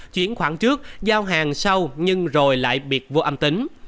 chuyển khoản trước giao hàng sau nhưng rồi lại biệt vô âm tính